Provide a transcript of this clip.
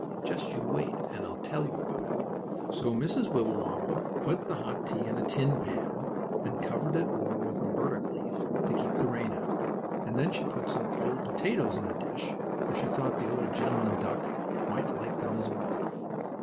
Just you wait, and I'll tell you about it. So Mrs. Wibblewobble put the hot tea in a tin pan, and covered it over with a burdock leaf, to keep the rain out, and then she put some cold potatoes in a dish, for she thought the old gentleman duck might like them as well.